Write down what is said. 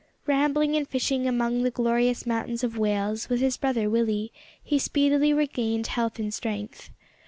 Rambling and fishing among the glorious mountains of Wales with his brother Willie, he speedily regained health and strength.